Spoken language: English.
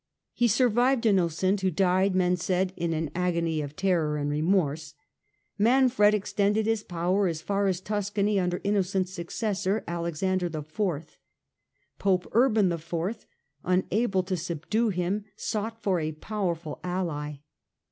He survived Innocent, who died, men said, in an agony of terror and remorse. Manfred extended his power as far as Tuscany under Innocent's successor, Alexander IV. Pope Urban IV, unable to subdue him, sought for a powerful ally.